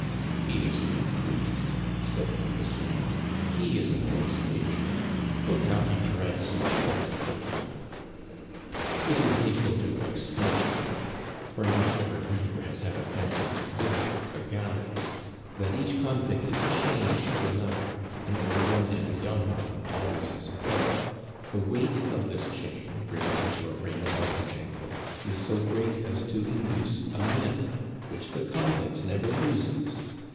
"He is no priest," said Fil de Soie; "he is an old stager. Look how he drags his right foot." It is needful to explain here for not every reader has had a fancy to visit the galleys that each convict is chained to another, an old one and a young one always as a couple; the weight of this chain riveted to a ring above the ankle is so great as to induce a limp, which the convict never loses.